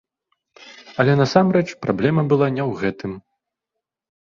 Але насамрэч праблема была не ў гэтым.